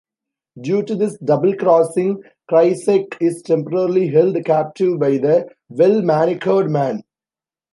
Due to this double-crossing, Krycek is temporarily held captive by the Well Manicured Man.